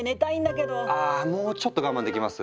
あもうちょっと我慢できます？